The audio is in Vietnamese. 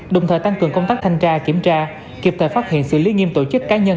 đồng thời tăng cường công tác thanh tra kiểm tra kịp thời phát hiện xử lý nghiêm tổ chức cá nhân